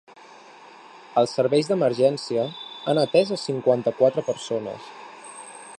Els serveis d’emergència han atès a cinquanta-quatre persones.